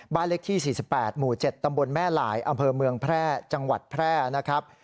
เลขที่๔๘หมู่๗ตำบลแม่หลายอำเภอเมืองแพร่จังหวัดแพร่นะครับ